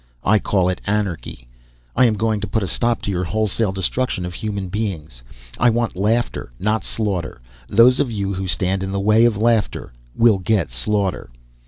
I call it anarchy. I am going to put a stop to your wholesale destruction of human beings. I want laughter, not slaughter. Those of you who stand in the way of laughter will get slaughter.